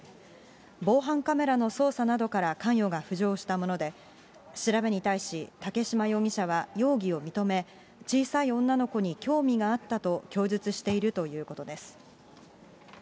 防犯カメラの捜査などから関与が浮上したもので、調べに対し竹嶋容疑者は容疑を認め、小さい女の子に興味があったと供述しているということです。